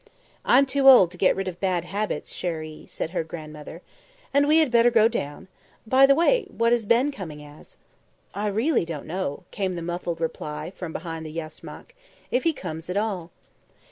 "I'm too old to get rid of bad habits, chérie," said her godmother. "And we had better go down. By the way, what is Ben coming as?" "I really don't know," came the muffled reply from behind the yashmak, "if he comes at all."